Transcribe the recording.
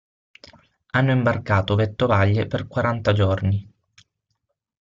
Hanno imbarcato vettovaglie per quaranta giorni.